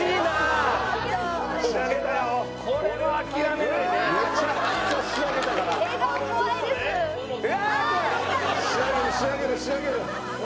仕上げる仕上げる仕上げる。